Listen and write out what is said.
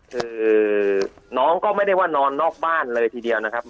คือน้องก็ไม่ได้ว่านอนนอกบ้านเลยทีเดียวนะครับ